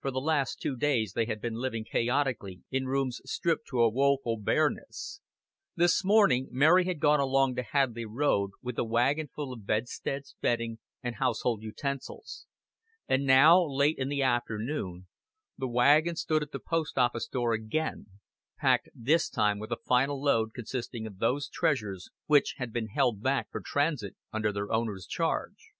For the last two days they had been living chaotically in rooms stripped to a woeful bareness; this morning Mary had gone along the Hadleigh Road with a wagon full of bedsteads, bedding, and household utensils; and now, late in the afternoon, the wagon stood at the post office door again, packed this time with a final load consisting of those treasures which had been held back for transit under their owners' charge.